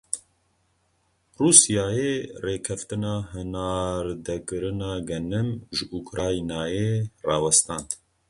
Rûsyayê rêkevtina hinardekirina genim ji Ukraynayê rawestand.